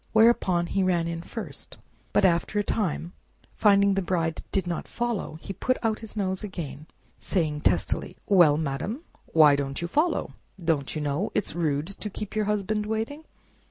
Whereupon he ran in first, but after a time, finding the Bride did not follow, he put his nose out again, saying testily, "Well, madam, why don't you follow? Don't you know it's rude to keep your husband waiting?"